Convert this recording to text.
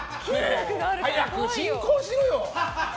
早く進行しろよ！